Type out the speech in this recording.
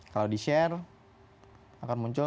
kalau di share akan muncul